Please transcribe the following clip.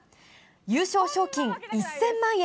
優勝賞金１０００万円。